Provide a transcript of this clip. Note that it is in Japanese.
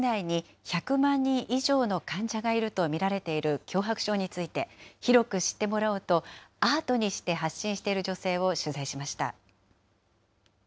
国内に１００万人以上の患者がいると見られている強迫症について、広く知ってもらおうと、アートにして発信している女性を取材しました。